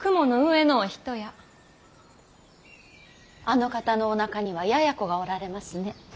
あの方のおなかにはややこがおられますね。